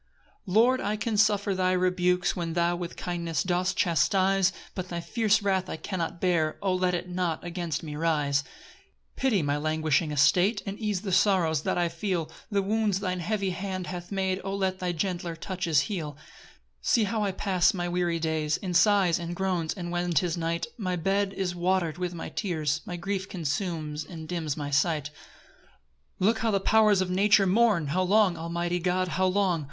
1 Lord, I can suffer thy rebukes, When thou with kindness dost chastise But thy fierce wrath I cannot bear, O let it not against me rise! 2 Pity my languishing estate, And ease the sorrows that I feel; The wounds thine heavy hand hath made, O let thy gentler touches heal. 3 See how I pass my weary days In sighs and groans; and when 'tis night My bed is water'd with my tears; My grief consumes and dims my sight. 4 Look how the powers of nature mourn! How long, almighty God, how long?